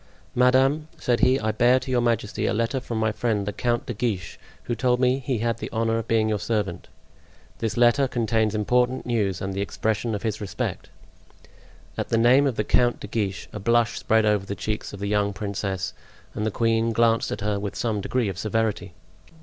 "Madame," said he, "I bear to your majesty a letter from my friend the Count de Guiche, who told me he had the honor of being your servant; this letter contains important news and the expression of his respect." At the name of the Count de Guiche a blush spread over the cheeks of the young princess and the queen glanced at her with some degree of severity.